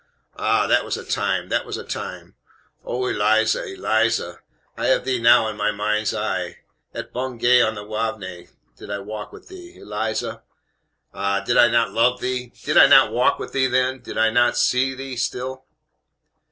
ah! that was a time, that was a time! Ah, Eliza, Eliza, I have thee now in my mind's eye! At Bungay on the Waveney, did I not walk with thee, Eliza? Aha, did I not love thee? Did I not walk with thee then? Do I not see thee still?"